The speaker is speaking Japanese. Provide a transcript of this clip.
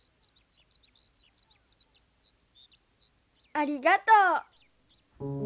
ありがと。